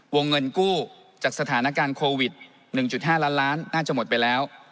วงเงินกู้จากสถานการณ์โควิด๑๕ล้านล้านน่าจะหมดไปแล้ว